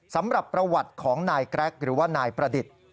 สำหรับประวัติของนายแกรกหรือว่านายประดิษฐ์